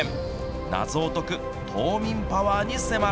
謎を解く島民パワーに迫る。